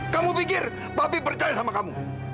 kamu pikir babi percaya sama kamu